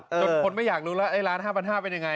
จนคนไม่อยากรู้ละไอ้ร้าน๕๕๐๐เป็นอย่างไร